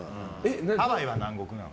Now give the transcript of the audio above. ハワイは南国なの？